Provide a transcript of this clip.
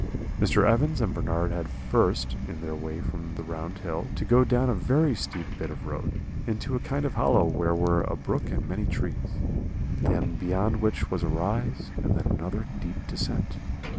"Mr. Evans and Bernard had first, in their way from the round hill, to go down a very steep bit of road, into a kind of hollow where were a brook and many trees, and then beyond which was a rise, and then another deep descent.